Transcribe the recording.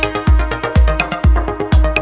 aku akan susul aja dia ke sana